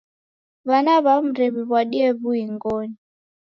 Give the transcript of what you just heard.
W'ana w'amu ndew'iw'adie w'uing'oni.